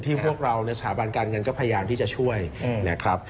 พวกเราในสถาบันการเงินก็พยายามที่จะช่วยนะครับ